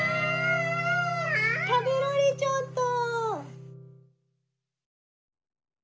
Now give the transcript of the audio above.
たべられちゃった。